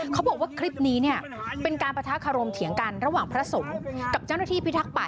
เขาบอกว่าคลิปนี้เนี่ยเป็นการปะทะคารมเถียงกันระหว่างพระสงฆ์กับเจ้าหน้าที่พิทักษัต